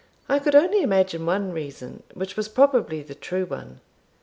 I could only imagine one reason, which was probably the true one.